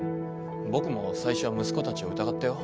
僕も最初は息子たちを疑ったよ。